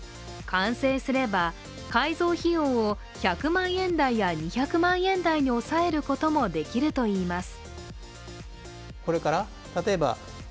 完成すれば、改造費用を１００万円台や２００万円台に抑えることもできるといいます。